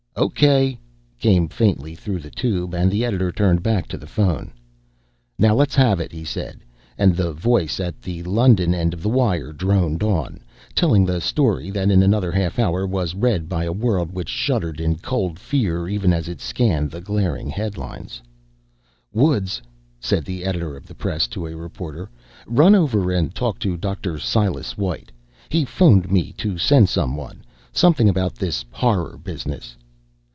"O.K.," came faintly through the tube, and the editor turned back to the phone. "Now let's have it," he said, and the voice at the London end of the wire droned on, telling the story that in another half hour was read by a world which shuddered in cold fear even as it scanned the glaring headlines. "Woods," said the editor of the Press to a reporter, "run over and talk to Dr. Silas White. He phoned me to send someone. Something about this Horror business."